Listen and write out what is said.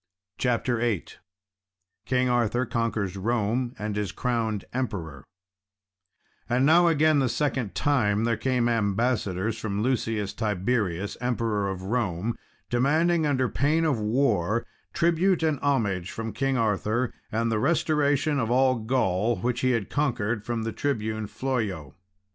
CHAPTER VIII King Arthur conquers Rome, and is crowned Emperor And now again the second time there came ambassadors from Lucius Tiberius, Emperor of Rome, demanding, under pain of war, tribute and homage from King Arthur, and the restoration of all Gaul, which he had conquered from the tribune Flollo.